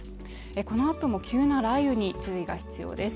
このあとも急な雷雨に注意が必要です